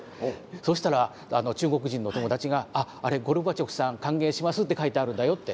そしたら中国人の友達が「あれゴルバチョフさん歓迎します」って書いてあるんだよって。